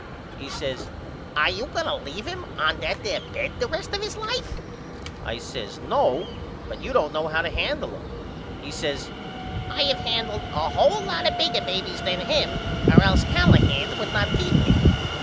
He says Are you going to leave him on that there bed the rest of his life? I says No but you don't know how to handle him. He says I have handled a hole lot bigger babys than him or else Callahan would not keep me.